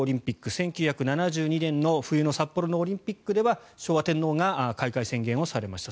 １９７２年の冬の札幌のオリンピックでは昭和天皇が開会宣言をされました。